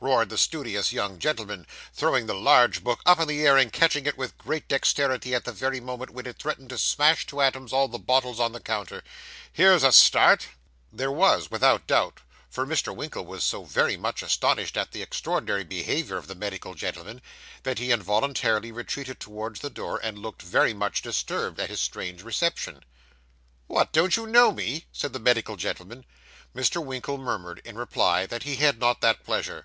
roared the studious young gentleman, throwing the large book up into the air, and catching it with great dexterity at the very moment when it threatened to smash to atoms all the bottles on the counter. 'Here's a start!' There was, without doubt; for Mr. Winkle was so very much astonished at the extraordinary behaviour of the medical gentleman, that he involuntarily retreated towards the door, and looked very much disturbed at his strange reception. 'What, don't you know me?' said the medical gentleman. Mr. Winkle murmured, in reply, that he had not that pleasure.